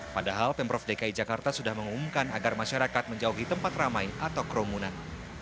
padahal pemprov dki jakarta sudah mengumumkan agar masyarakat menjauhi tempat ramai atau kerumunan